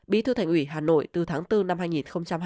bí thư thành ủy hà nội từ tháng bốn năm hai nghìn hai mươi